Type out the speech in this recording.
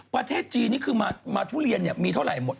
ประเทศจีนนี่คือมาทุเรียนมีเท่าไหร่หมด